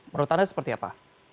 menurut anda seperti apa